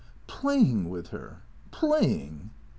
" Playing with her ? Playing